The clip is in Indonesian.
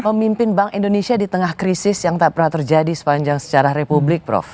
pemimpin bank indonesia di tengah krisis yang tak pernah terjadi sepanjang sejarah republik